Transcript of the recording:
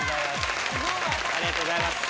ありがとうございます。